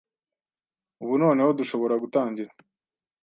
Ubu noneho dushobora gutangira